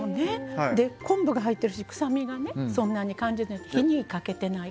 昆布が入ってるし臭みがそんなに感じない。